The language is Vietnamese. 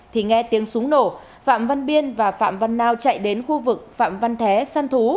thì nghe tiếng súng nổ phạm văn biên và phạm văn nao chạy đến khu vực phạm văn thế săn thú